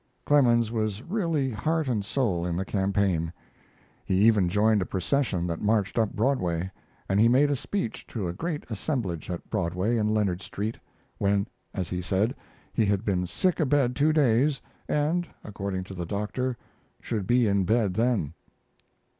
] Clemens was really heart and soul in the campaign. He even joined a procession that marched up Broadway, and he made a speech to a great assemblage at Broadway and Leonard Street, when, as he said, he had been sick abed two days and, according to the doctor, should be in bed then.